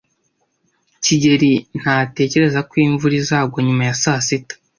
kigeli ntatekereza ko imvura izagwa nyuma ya saa sita.